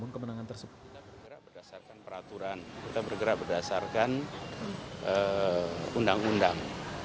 kita bergerak berdasarkan peraturan kita bergerak berdasarkan undang undang